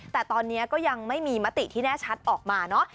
แต่ตอนนี้ก็ยังไม่มีมติที่แน่ชัดออกมาเนอะ